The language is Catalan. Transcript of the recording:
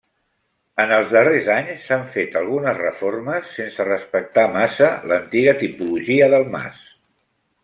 En els darrers anys, s'han fet algunes reformes sense respectar massa l'antiga tipologia del mas.